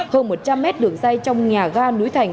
hơn một trăm linh mét đường dây trong nhà ga núi thành